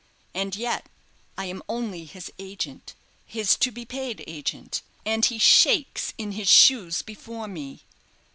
And yet, I am only his agent, his to be paid agent, and he shakes in his shoes before me.